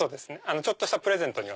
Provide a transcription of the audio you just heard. ちょっとしたプレゼントには。